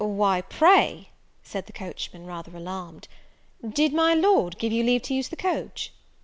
"Why, pray," said the coachman, rather alarmed, "did my Lord give you leave to use the coach?"